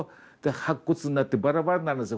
白骨になってバラバラになるんですよ